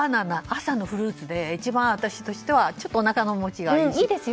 朝のフルーツで一番私としてはちょっとおなかの持ちがいいし。